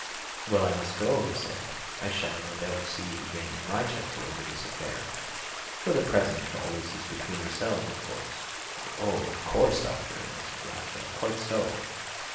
"Well, I must go," he said. "I shall no doubt see you again in Wrychester, over this affair. For the present, all this is between ourselves, of course?" "Oh, of course, doctor!" answered Glassdale. "Quite so!"